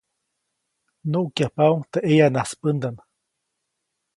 Nuʼkyajpaʼuŋ teʼ ʼeyanaspändaʼm.